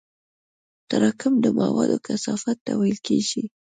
تراکم د موادو کثافت ته ویل کېږي.